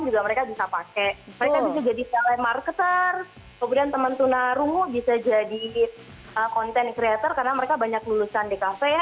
bisa jadi salai marketer kemudian teman tunarungu bisa jadi content creator karena mereka banyak lulusan dkv ya